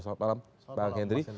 selamat malam bang hendri